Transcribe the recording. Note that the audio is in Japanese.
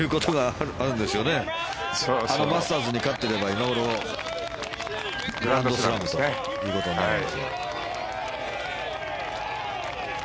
あのマスターズに勝ってれば今ごろ、グランドスラムということになるんですが。